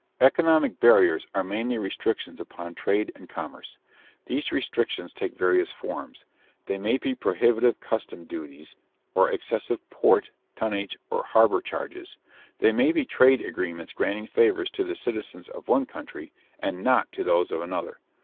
_ Economic barriers are mainly restrictions upon trade and commerce. These restrictions take various forms; they may be prohibitive customs duties, or excessive port, tonnage, and harbor charges; they may be trade agreements granting favors to the citizens of one country and not to those of another.